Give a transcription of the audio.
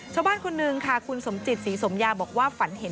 ชาวบ้านของหนึ่งค่ะคุณสมจิตศรีสมญาบอกว่าฝันเห็น